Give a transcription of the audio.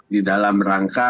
di dalam rangka